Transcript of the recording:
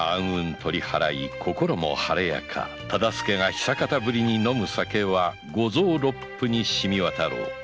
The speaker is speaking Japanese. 取りはらい心も晴れやか忠相が久方ぶりに飲む酒は五臓六腑に染みわたろう